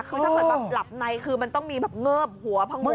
คือถ้าเกิดแบบหลับในคือมันต้องมีแบบเงิบหัวพังมือ